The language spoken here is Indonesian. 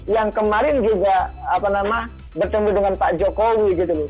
yang kemarin juga bertemu dengan pak jokowi